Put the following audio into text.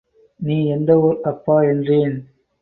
நீ எந்த ஊர் அப்பா என்றேன்.